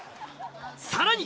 さらに！